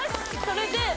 それで。